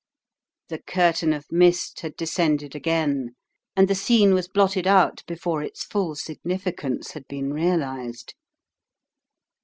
The cur tain of mist had descended again, and the scene was blotted out before its full significance had been realized.